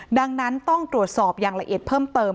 ดังนั้นต้องตรวจสอบอย่างละเอียดเพิ่มเติม